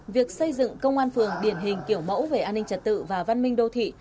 việc xây dựng công an phường điển hình kiểu mẫu về an ninh trật tự và văn minh đô thị